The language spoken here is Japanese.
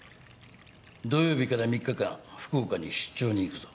土曜日から３日間福岡に出張に行くぞ。